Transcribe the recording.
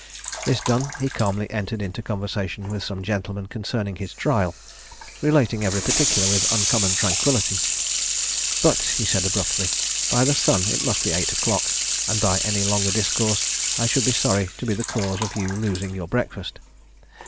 This done, he calmly entered into conversation with some gentlemen concerning his trial, relating every particular with uncommon tranquillity. 'But,' said he abruptly, 'by the sun it must be eight o'clock, and by any longer discourse I should be sorry to be the cause of your losing your breakfast.'